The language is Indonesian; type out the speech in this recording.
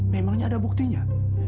memangnya ada buktinya